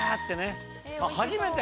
初めて？